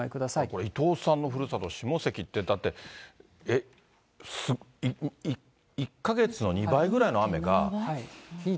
これ伊藤さんのふるさと、下関って、だって、えっ、１か月の２倍ぐらいの雨が。